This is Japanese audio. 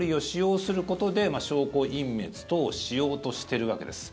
そういったアプリを使用することで証拠隠滅等をしようとしているわけです。